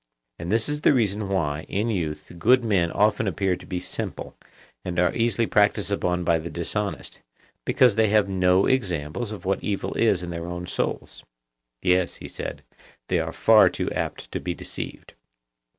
And this is the reason why in youth good men often appear to be simple, and are easily practised upon by the dishonest, because they have no examples of what evil is in their own souls. Yes, he said, they are far too apt to be deceived.